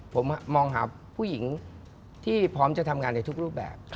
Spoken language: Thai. ผมมองหาผู้หญิงที่พร้อมจะทำงานในทุกรูปแบบ